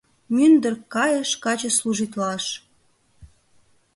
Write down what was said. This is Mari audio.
Мӱндырк кайыш каче служитлаш